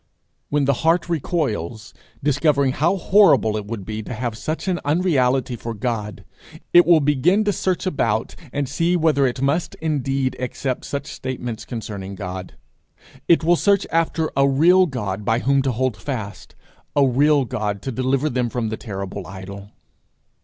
When the heart recoils, discovering how horrible it would be to have such an unreality for God, it will begin to search about and see whether it must indeed accept such statements concerning God; it will search after a real God by whom to hold fast, a real God to deliver them from the terrible idol.